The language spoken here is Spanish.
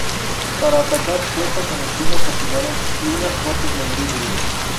Para atacar, cuentan con espinas afiladas y unas fuertes mandíbulas.